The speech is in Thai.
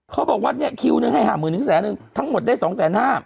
เขาบอกว่าเนี่ยคิวนึงให้หามืนนึกแสนหนึ่งทั้งหมดได้สองแสนห้า